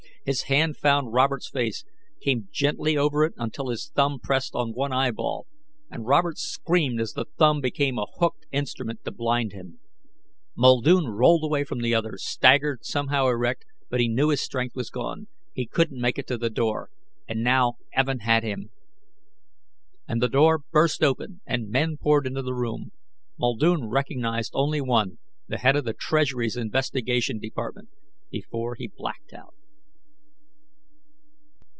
His hand found Robert's face, came gently over it until his thumb pressed on one eyeball. And Robert screamed as the thumb became a hooked instrument to blind him. Muldoon rolled away from the other, staggered somehow erect, but knew his strength was gone. He couldn't make it to the door. And now Evin had him.... And the door burst open and men poured into the room. Muldoon recognized only one, the head of the Treasury's investigation department, before he blacked out.